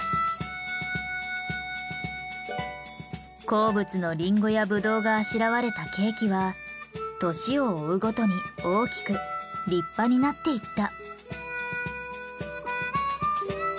好物のリンゴやブドウがあしらわれたケーキは年を追うごとに大きく立派になっていった。